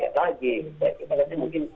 kita lihatnya mungkin